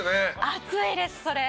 熱いですそれ。